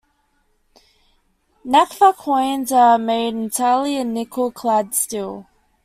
Nakfa coins are made entirely of Nickel clad Steel.